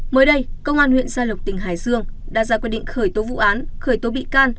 mới đây công an huyện gia lộc tỉnh hải dương đã ra quyết định khởi tố vụ án khởi tố bị can